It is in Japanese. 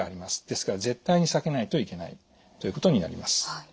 ですから絶対に避けないといけないということになります。